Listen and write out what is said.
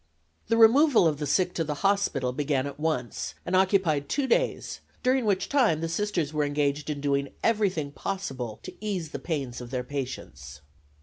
The removal of the sick to the hospital began at once and occupied two days, during which time the Sisters were engaged in doing everything possible to ease the pains of their patients.